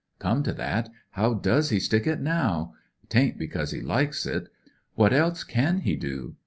"Come to that, how does he stick it now ? 'Tain't because he likes it. What else can he do